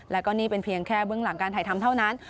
แล้วก็นี่เป็นเพียงแค่เบื้องหลังการถ่ายทำเท่านั้น